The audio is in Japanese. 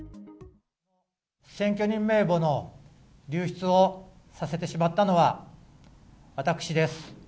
選挙人名簿の流出をさせてしまったのは私です。